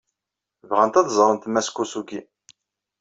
Bɣant ad ẓrent Mass Kosugi.